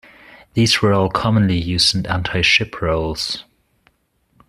These were all commonly used in anti-ship roles.